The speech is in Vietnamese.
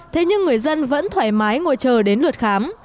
thế nhưng người dân vẫn thoải mái ngồi chờ đến lượt khám